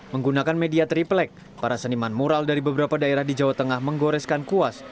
menggunakan media triplek para seniman mural dari beberapa daerah di jawa tengah menggoreskan kuas